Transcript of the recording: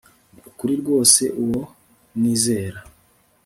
ni ukuri rwose uwo mwizera